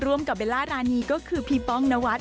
กับเบลล่ารานีก็คือพี่ป้องนวัฒ